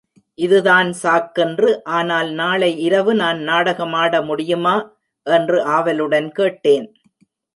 இதுதான் சாக்கென்று, ஆனால் நாளை இரவு நான் நாடகம் ஆட முடியுமா? என்று ஆவலுடன் கேட்டேன்.